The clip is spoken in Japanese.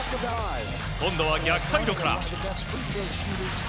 今度は逆サイドから。